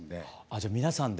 じゃあ皆さんで。